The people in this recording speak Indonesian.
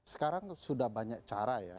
sekarang sudah banyak cara ya